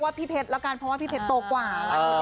ภาพซ้ายภาพขวา